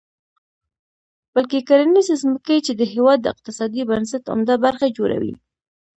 بلکې کرنیزې ځمکې، چې د هېواد د اقتصادي بنسټ عمده برخه جوړوي.